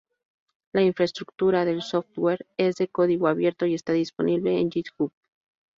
La infraestructura del software es de código abierto y está disponible en GitHub.